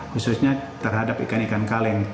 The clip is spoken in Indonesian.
khususnya terhadap ikan ikan kaleng